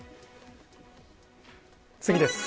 次です。